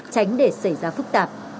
tránh để xảy ra phức tạp